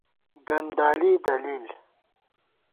گندالی دلیل